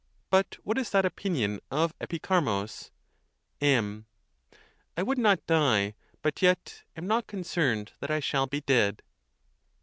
But what is that opinion of Epicharmus ? MM. I would not die, but yet Am not concerned that I shall be dead.